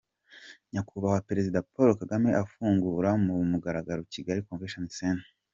Nyakubahwa Perezida Paul Kagame afungura kumugaragaro Kigali Convention Centre